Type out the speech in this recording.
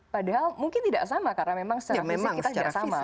padahal mungkin tidak sama karena memang secara fisik kita tidak sama